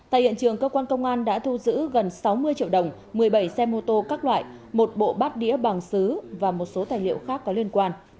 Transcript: tại hiện trường cơ quan công an đã thu giữ gần sáu mươi triệu đồng một mươi bảy xe mô tô các loại một bộ bát đĩa bằng xứ và một số tài liệu khác có liên quan